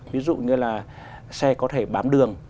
ví dụ như là xe có thể bám đường